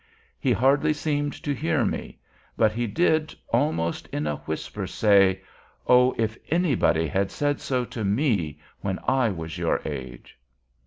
He hardly seemed to hear me; but he did, almost in a whisper, say: "O, if anybody had said so to me when I was of your age!"